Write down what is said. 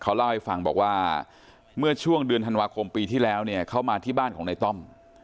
เขาเล่าให้ฟังบอกว่าเมื่อช่วงเดือนธันวาคมปีที่แล้วเนี่ยเขามาที่บ้านของในต้อม